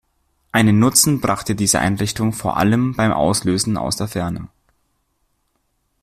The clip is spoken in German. Einen Nutzen brachte diese Einrichtung vor allem beim Auslösen aus der Ferne.